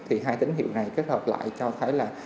thì hai tín hiệu này kết hợp lại cho phải là